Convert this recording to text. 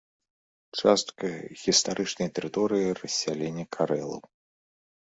Частка гістарычнай тэрыторыі рассялення карэлаў.